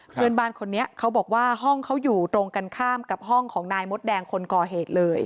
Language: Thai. เพื่อนบ้านคนนี้เขาบอกว่าห้องเขาอยู่ตรงกันข้ามกับห้องของนายมดแดงคนก่อเหตุเลย